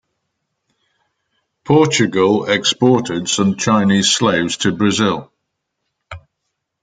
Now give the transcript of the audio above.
Portugal exported some Chinese slaves to Brazil.